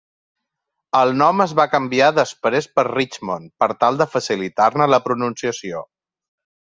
El nom es va canviar després per Richmond, per tal de facilitar-ne la pronunciació.